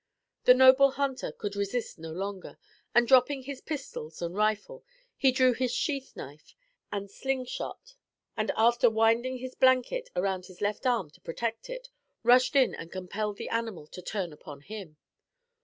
The noble hunter could resist no longer, and dropping his pistols and rifle, he drew his sheath knife and slung shot, and, after winding his blanket around his left arm to protects it, rushed in and compelled the animal to turn upon him.